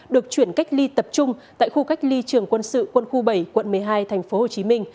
được chuyển cách ly tập trung tại khu cách ly trường quân sự quân khu bảy quận một mươi hai tp hcm